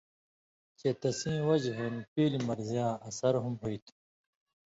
چے تسیں وجہۡ ہِن پیلیۡ مرضی یاں اثر ہُم ہُوئ تُھو۔